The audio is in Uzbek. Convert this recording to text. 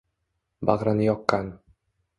Bag’rini yoqqan.